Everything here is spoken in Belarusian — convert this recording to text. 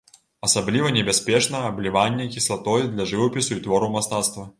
Асабліва небяспечна абліванне кіслатой для жывапісу і твораў мастацтва.